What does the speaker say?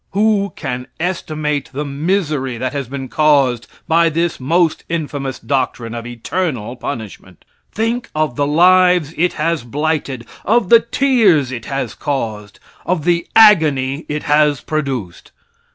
Who can estimate the misery that has been caused by this most infamous doctrine of eternal punishment? Think of the lives it has blighted of the tears it has caused of the agony it has produced.